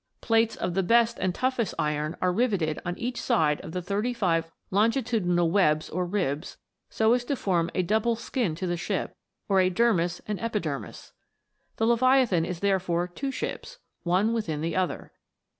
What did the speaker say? Plates of the best and toughest iron are riveted on each side 'of the thirty five longitudinal webs or ribs, so as to 320 THE WONDERFUL LAMP. form a double skin to the ship, or a dermis and epi dermis ; the Leviathan is therefore two ships, one within the other.